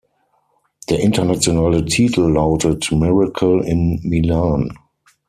Der internationale Titel lautet: "Miracle in Milan".